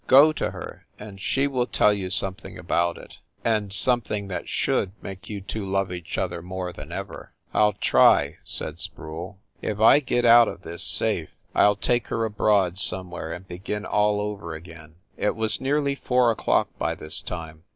"Go to her and she will tell you something about it and something that should make you two love each other more than ever." "I ll try!" said Sproule. "If I get out of this THE NORCROSS APARTMENTS 295 safe, I ll take her abroad somewhere and begin all over again!" It was nearly four o clock by this time.